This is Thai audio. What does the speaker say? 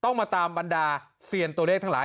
มาตามบรรดาเซียนตัวเลขทั้งหลาย